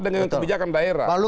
dengan kebijakan daerah